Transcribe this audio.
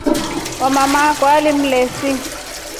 Mwanana akwa alimleshi.